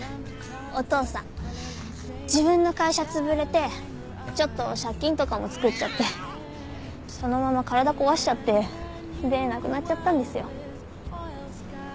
自分の会社つぶれてちょっと借金とかもつくっちゃってそのまま体壊しちゃってで亡くなっちゃったんですよ。